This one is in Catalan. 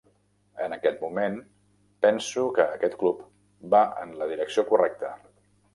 En aquest moment, penso que aquest club va en la direcció correcta.